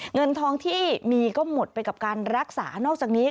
เงินทองที่มีก็หมดไปกับการรักษานอกจากนี้